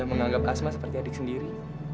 enggak papa papa di sini